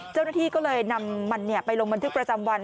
เจ้าหน้าที่ก็เลยนำมันไปลงบันทึกประจำวัน